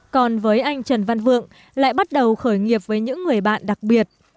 còn với anh trần văn vượng lại bắt đầu khởi nghiệp với những người bạn đặc biệt